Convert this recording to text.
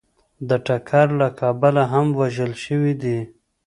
د ټکر له کبله هم وژل شوي دي